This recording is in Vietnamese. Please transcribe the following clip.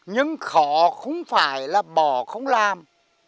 nhưng khó không phải là bỏ không làm